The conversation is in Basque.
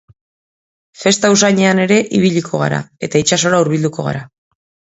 Festa usainean ere ibiliko gara, eta itsasora hurbilduko gara.